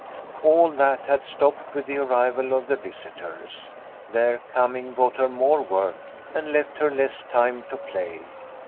All that had stopped with the arrival of the visitors. Their coming brought her more work, and left her less time to play.